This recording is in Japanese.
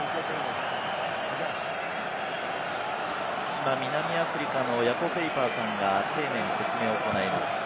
今、南アフリカのヤコ・ペイパーさんが丁寧に説明を行います。